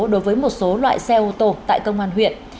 đối với một số loại xe ô tô tại công an huyện